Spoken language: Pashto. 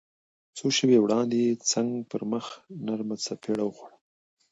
څو شېبې وړاندې يې څنګه پر مخ نرمه څپېړه وخوړه.